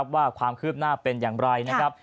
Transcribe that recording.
ว่าความคืบหน้าเป็นอย่างไรนะครับ